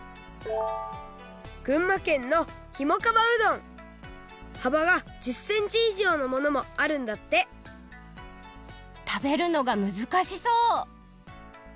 ぐんまけんのはばが１０センチいじょうのものもあるんだって食べるのがむずかしそう！